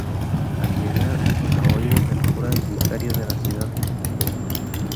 Al llegar a oídos del cura y vicario de la ciudad, Pbro.